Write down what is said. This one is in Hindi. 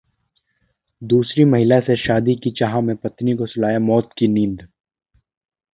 दूसरी महिला से शादी की चाह में पत्नी को सुलाया मौत की नींद